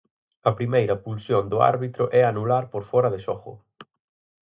A primeira pulsión do árbitro é anular por fóra de xogo.